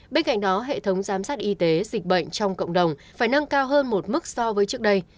bên cạnh đó hệ thống giám sát y tế dịch bệnh trong cộng đồng phải nâng cao hơn một mức so với trước đây